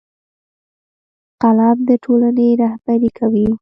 قلم د ټولنې رهبري کوي